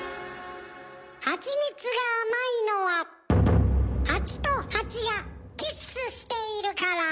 ハチミツが甘いのはハチとハチがキッスしているから。